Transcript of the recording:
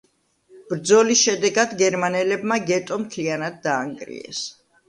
ბრძოლის შედეგად გერმანელებმა გეტო მთლიანად დაანგრიეს.